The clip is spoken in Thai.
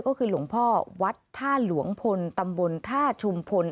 ก็คือหลวงพ่อวัดท่าหลวงพลตำบลท่าชุมพล